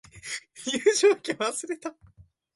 入場券忘れた